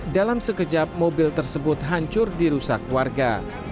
dalam sekejap mobil tersebut hancur dirusak warga